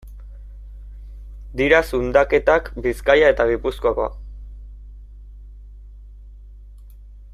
Dira zundaketak Bizkaia eta Gipuzkoako.